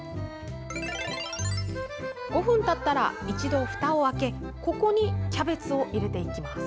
５分たったら、一度ふたを開けここにキャベツを入れていきます。